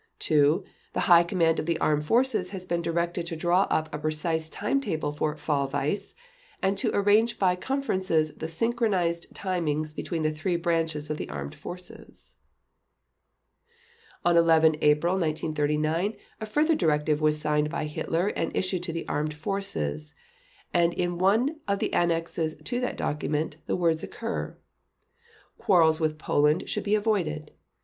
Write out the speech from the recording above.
(2) The High Command of the Armed Forces has been directed to draw up a precise timetable for Fall Weiss and to arrange by conferences the synchronized timings between the three branches of the Armed Forces." On 11 April 1939 a further directive was signed by Hitler and issued to the Armed Forces, and in one of the annexes to that document the words occur: "Quarrels with Poland should be avoided.